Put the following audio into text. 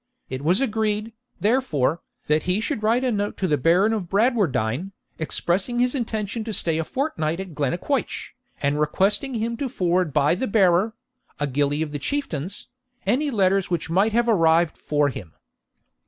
It was agreed, therefore, that he should write a note to the Baron of Bradwardine, expressing his intention to stay a fortnight at Glennaquoich, and requesting him to forward by the bearer (a gilly of the Chieftain's) any letters which might have arrived for him.